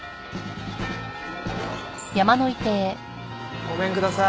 ごめんください。